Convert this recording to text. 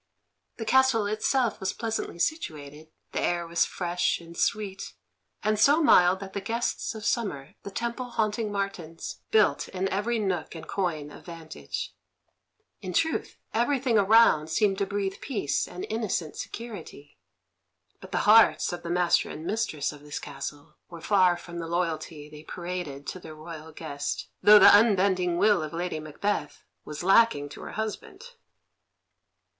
The castle itself was pleasantly situated; the air was fresh and sweet, and so mild that the guests of summer, the temple haunting martins, built in every nook and coign of vantage. In truth, everything around seemed to breathe peace and innocent security. But the hearts of the master and mistress of this castle were far from the loyalty they paraded to their royal guest, though the unbending will of Lady Macbeth was lacking to her husband.